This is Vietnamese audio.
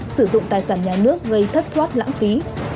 sử dụng tài sản nhà nước gây thất thoát lãng phí